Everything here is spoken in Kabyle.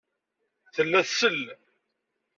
Tella tsell.